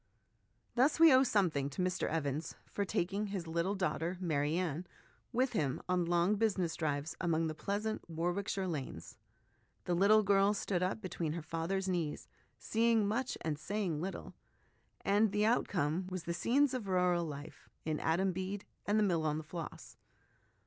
Thus, we owe something to Mr Evans for taking his little daughter Mary Anne with him on his long business drives among the pleasant War wickshire lanes ; the little girl stood up between her father's knees, seeing much and saying little; and the outcome was the scenes of rural life in Adam Bede and The Mill on the Floss.